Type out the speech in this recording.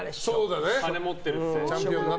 金持ってるって。